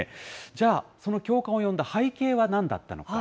じゃあ、その共感を呼んだ背景はなんだったのか。